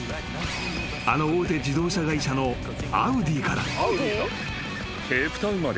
［あの大手自動車会社のアウディから］